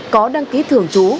có đăng ký thường trú